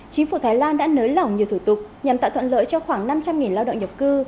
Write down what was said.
chính phủ thái lan đã nới lỏng nhiều thủ tục nhằm tạo thuận lợi cho khoảng năm trăm linh lao động nhập cư